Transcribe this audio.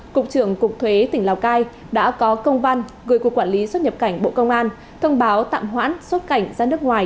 cục trưởng cục thuế tỉnh lào cai đã có công văn gửi cục quản lý xuất nhập cảnh bộ công an thông báo tạm hoãn xuất cảnh ra nước ngoài